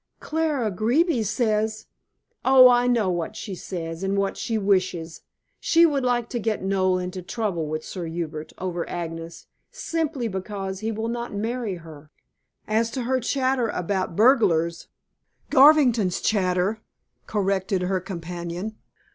"Clara Greeby says " "Oh, I know what she says and what she wishes. She would like to get Noel into trouble with Sir Hubert over Agnes, simply because he will not marry her. As to her chatter about burglars " "Garvington's chatter," corrected her companion.